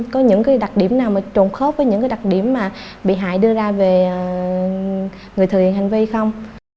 có những đặc điểm nào trồn khớp với những đặc điểm mà bị hại đưa ra về người thực hiện hành vi không